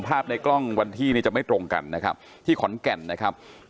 ในกล้องวันที่นี่จะไม่ตรงกันนะครับที่ขอนแก่นนะครับ